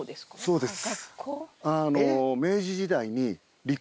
そうです。